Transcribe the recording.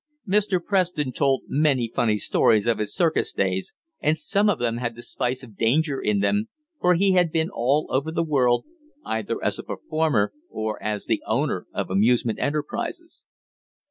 Mr. Preston told many funny stories of his circus days, and some of them had the spice of danger in them, for he had been all over the world, either as a performer or as the owner of amusement enterprises.